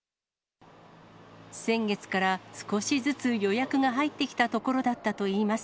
先月から少しずつ予約が入ってきたところだったといいます。